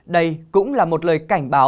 đây cũng là một lời cảnh báo